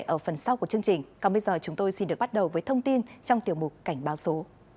ở phần sau của chương trình còn bây giờ chúng tôi xin được bắt đầu với thông tin trong tiểu mục cảnh báo số